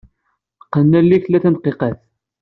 Qqen allen-ik tlata n dqiqat.